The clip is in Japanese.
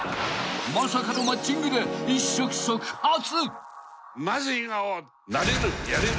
［まさかのマッチングで一触即発］